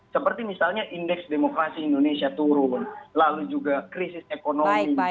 seperti misalnya indeks demokrasi indonesia turun lalu juga krisis ekonomi